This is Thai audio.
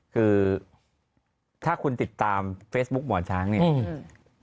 คือถ้าคุณติดตามเฟซบุ๊คหมอช้างเนี่ยอืม